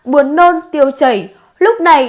buồn nôn tiêu chảy lúc này